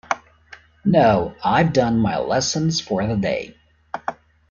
No, I've done my lessons for the day.